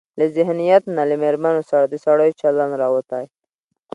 له ذهنيت نه له مېرمنو سره د سړيو چلن راوتى.